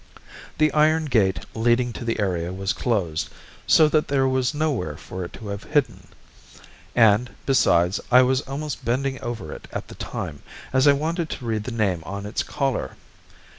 "The iron gate leading to the area was closed, so that there was nowhere for it to have hidden, and, besides, I was almost bending over it at the time, as I wanted to read the name on its collar.